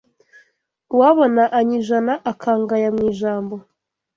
Uwabona anyijana Akangaya mu ijambo